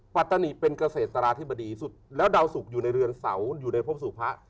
ปัตตานีเป็นเกษตราธิบดีสุดแล้วดาวสุกอยู่ในเรือนเสาอยู่ในพบสู่พระ